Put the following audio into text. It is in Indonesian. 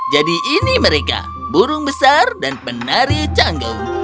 jadi ini mereka burung besar dan penari canggung